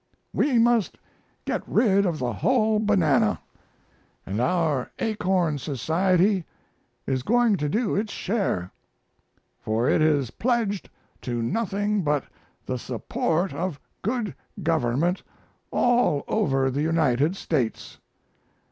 We must get rid of the whole banana, and our Acorn Society is going to do its share, for it is pledged to nothing but the support of good government all over the United States.